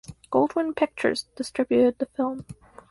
Goldwyn Pictures distributed the film.